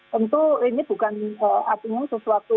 tentu ini bukan artinya sesuatu